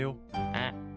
あっ？